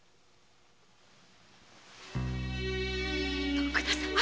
徳田様！